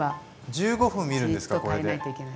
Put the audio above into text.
１５分見るんですかこれで？